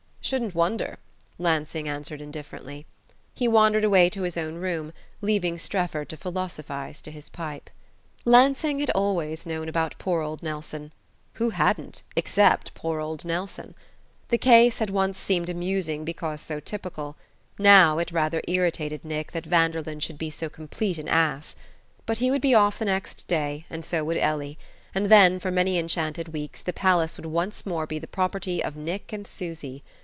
"Shouldn't wonder," Lansing answered indifferently. He wandered away to his own room, leaving Strefford to philosophize to his pipe. Lansing had always known about poor old Nelson: who hadn't, except poor old Nelson? The case had once seemed amusing because so typical; now, it rather irritated Nick that Vanderlyn should be so complete an ass. But he would be off the next day, and so would Ellie, and then, for many enchanted weeks, the palace would once more be the property of Nick and Susy.